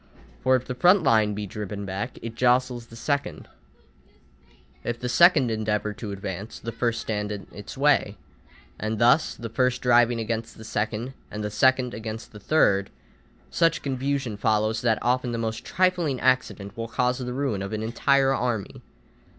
For if the front line be driven back, it jostles the second, if the second line endeavour to advance, the first stands in its way: and thus, the first driving against the second, and the second against the third, such confusion follows that often the most trifling accident will cause the ruin of an entire army.